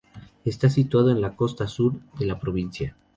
Está situado en la costa sur de la provincia.